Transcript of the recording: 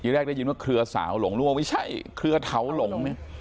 อย่างแรกได้ยินว่าเครือสาวหลงลุงบอกไม่ใช่เครือเถาหลงนี่